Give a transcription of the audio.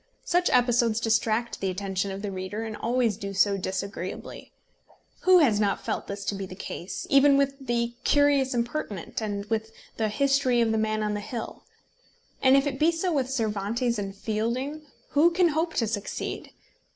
Such episodes distract the attention of the reader, and always do so disagreeably. Who has not felt this to be the case even with The Curious Impertinent and with the History of the Man of the Hill. And if it be so with Cervantes and Fielding, who can hope to succeed?